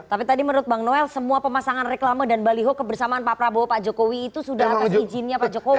tapi tadi menurut bang noel semua pemasangan reklama dan baliho kebersamaan pak prabowo pak jokowi itu sudah atas izinnya pak jokowi